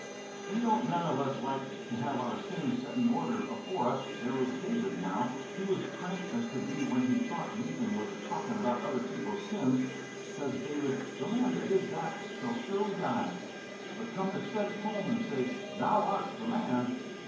"We don't none of us like to have our sins set in order afore us. There was David, now, he was crank as could be when he thought Nathan was a talkin' about other people's sins. Says David: 'The man that did that shall surely die.' But come to set it home and say, 'Thou art the man!'